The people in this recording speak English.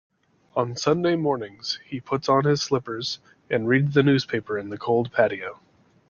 On Sunday mornings, he puts on his slippers and reads the newspaper on the cold patio.